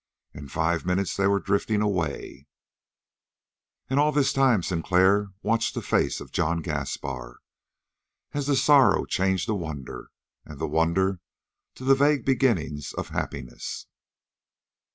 In five minutes they were drifting away, and all this time Sinclair watched the face of John Gaspar, as the sorrow changed to wonder, and the wonder to the vague beginnings of happiness.